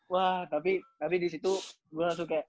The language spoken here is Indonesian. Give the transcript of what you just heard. wah tapi disitu gue langsung kayak